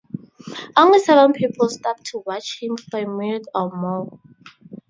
Only seven people stopped to watch him for a minute or more.